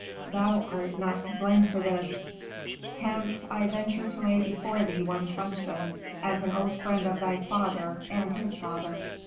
Thou art not to blame for this; hence I venture to lay before thee one question, as an old friend of thy father and his father."